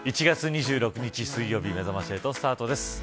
１月２６日水曜日めざまし８スタートです。